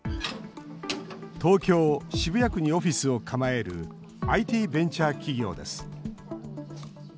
東京・渋谷区にオフィスを構えるＩＴベンチャー企業です。